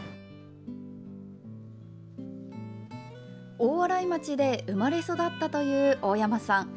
大洗町で生まれ育ったという大山さん。